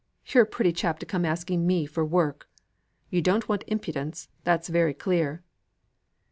You're a pretty chap to come asking me for work. You don't want impudence, that's very clear."